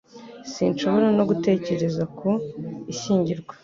Sinshobora no gutekereza ku ishyingirwa